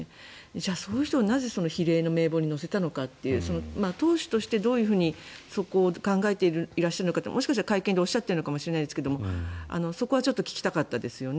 じゃあ、そういう人をなぜ比例の名簿載せたのかという党首としてどういうふうにそこを考えていらっしゃるのかもしかしたら会見でおっしゃってるのかもしれませんがそこは聞きたかったですよね。